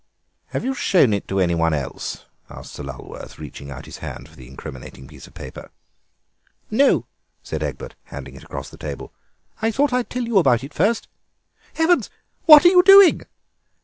"Have you shown it to anyone else?" asked Sir Lulworth, reaching out his hand for the incriminating piece of paper. "No," said Egbert, handing it across the table, "I thought I would tell you about it first. Heavens, what are you doing?"